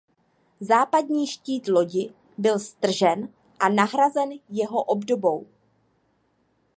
Západní štít lodi byl stržen a nahrazen jeho obdobou.